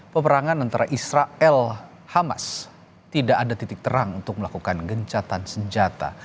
peperangan antara israel hamas tidak ada titik terang untuk melakukan gencatan senjata